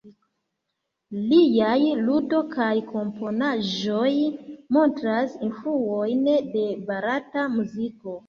Liaj ludo kaj komponaĵoj montras influojn de barata muziko.